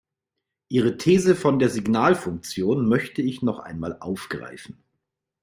Ihre These von der Signalfunktion möchte ich noch einmal aufgreifen.